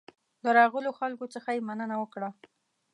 د راغلو خلکو څخه یې مننه وکړه.